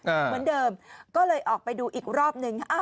เหมือนเดิมก็เลยออกไปดูอีกรอบหนึ่งอ้าว